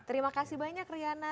terima kasih banyak riana